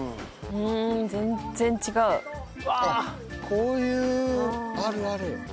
こういうあるある。